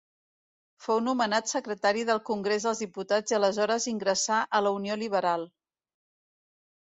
Fou nomenat secretari del Congrés dels Diputats i aleshores ingressà a la Unió Liberal.